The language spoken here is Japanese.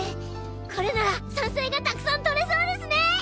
これなら山菜がたくさん採れそうですね！